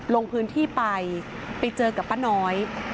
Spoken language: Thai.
ลงพื้นที่ไปไปเจอกับป้าน้อย